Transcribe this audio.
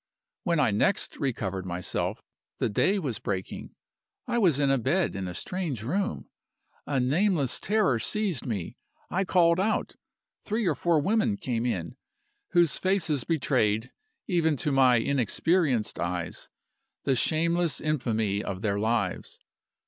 "When I next recovered myself, the day was breaking. I was in a bed in a strange room. A nameless terror seized me. I called out. Three or four women came in, whose faces betrayed, even to my inexperienced eyes, the shameless infamy of their lives.